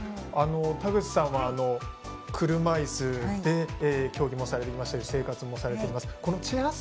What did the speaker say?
田口さんは車いすで競技もされていましたし生活もされていますがチェア